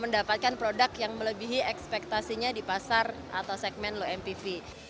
mendapatkan produk yang melebihi ekspektasinya di pasar atau segmen low mpv